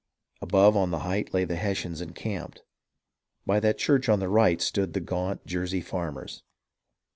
Above on the height Lay the Hessians encamped. By that church on the right Stood the gaunt Jersey farmers.